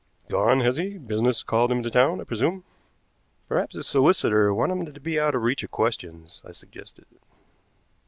"Gone, has he? Business called him to town, I presume?" "Perhaps his solicitor wanted him to be out of reach of questions," I suggested.